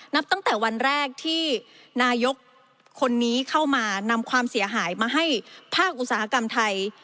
นับตั้งแต่วันแรกที่นายกคนนี้เข้ามานำความเสียหายมาให้ภาคอุตสาหกรรมไทย